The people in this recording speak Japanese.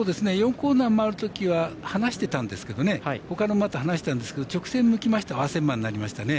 コーナー回るときは離してたんですけどほかの馬と離していたんですけど直線を抜きますと併せ馬になりましたね。